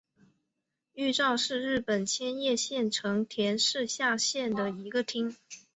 玉造是日本千叶县成田市下辖的一个町。